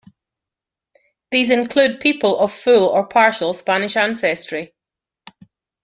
These include people of full or partial Spanish ancestry.